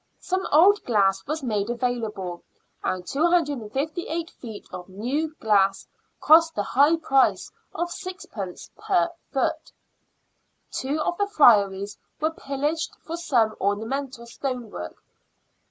Some old glass was made available, and 258 feet of new glass cost the high price of sixpence per foot. Two of the Friaries were pillaged for some ornamental stonework.